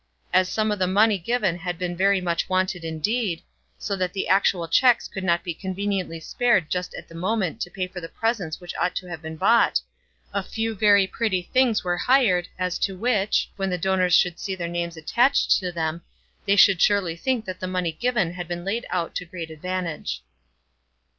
As some of the money given had been very much wanted indeed, so that the actual cheques could not be conveniently spared just at the moment to pay for the presents which ought to have been bought, a few very pretty things were hired, as to which, when the donors should see their names attached to them, they should surely think that the money given had been laid out to great advantage.